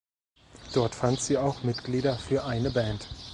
Dort fand sie auch Mitglieder für eine Band.